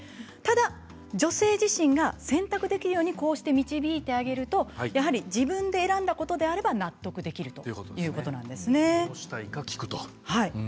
ただ女性自身が選択できるようにこうして導いてあげると自分で選んだことであればどうしたいか聞くと。